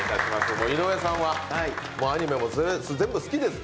もう井上さんはアニメも全部好きですけど。